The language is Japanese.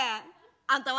あんたは？